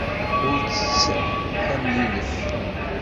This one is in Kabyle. Ur ttett am yilef.